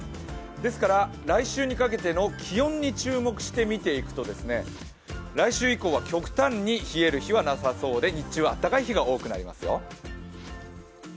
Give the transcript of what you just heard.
ですから来週にかけての気温に注目してみていくと来週以降は極端に冷える日はなさそうで、日中は暖かい日が多くなりますよ。